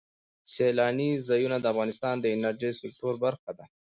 سیلاني ځایونه د افغانستان د انرژۍ سکتور برخه ده.